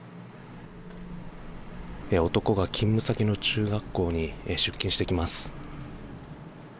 男が勤務先の中学校に出勤してきます。